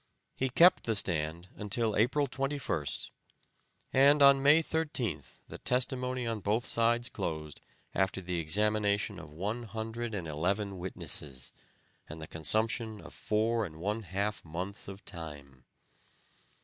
He kept the stand until April 21st, and on May 13th the testimony on both sides closed after the examination of one hundred and eleven witnesses, and the consumption of four and one half months of time.